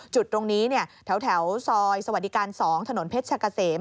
จุดตรงนี้แถวซอยสวัสดิการ๒ถนนเพชรกะเสม